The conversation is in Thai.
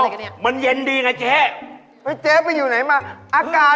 คุณหลวงค่ะ